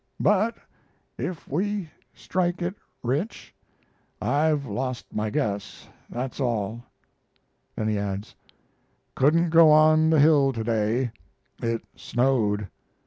"But if we strike it rich I've lost my guess, that's all." Then he adds: "Couldn't go on the hill to day. It snowed.